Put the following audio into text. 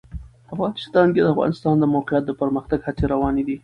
افغانستان کې د د افغانستان د موقعیت د پرمختګ هڅې روانې دي.